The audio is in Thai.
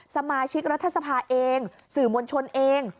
สมาชิกรัฐสภาเองสื่อมวลชนเอง